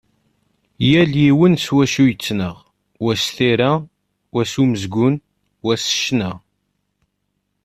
Yal yiwen s wacu yettnaɣ, wa s tira, wa s umezgun, wayeḍ s ccna.